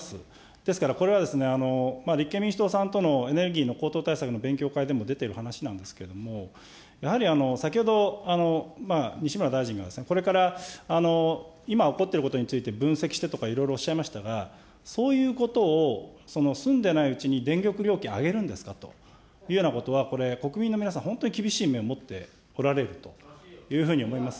ですからこれは立憲民主党さんとのエネルギーの高騰対策の勉強会でも出てる話なんですけれども、やはり先ほど西村大臣が、これから今起こっていることについて分析してとかいろいろおっしゃいましたが、そういうことを済んでないうちに電力料金上げるんですかというようなことは、これ、国民の皆さん、本当に厳しい目を持っておられるというふうに思います。